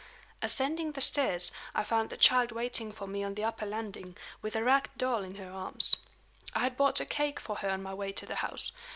Ascending the stairs, I found the child waiting for me on the upper landing, with a ragged doll in her arms. I had bought a cake for her on my way to the house.